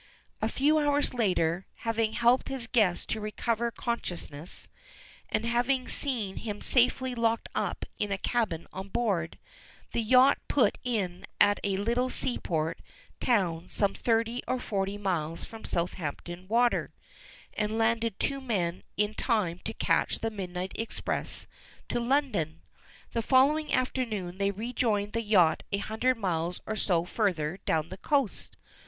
A few hours later, having helped his guest to recover consciousness, and having seen him safely locked up in a cabin on board, the yacht put in at a little sea port town some thirty or forty miles from Southampton Water, and landed two men in time to catch the midnight express to London. The following afternoon they rejoined the yacht a hundred miles or so further down the coast.